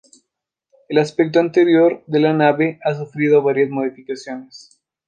El aspecto interior de la nave ha sufrido varias modificaciones.